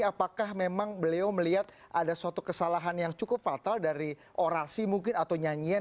apakah memang beliau melihat ada suatu kesalahan yang cukup fatal dari orasi mungkin atau nyanyian